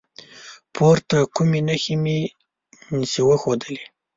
پورته کومې نښې مې چې وښودلي